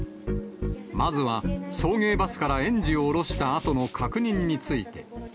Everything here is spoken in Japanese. まずは、送迎バスから園児を降ろしたあとの確認について。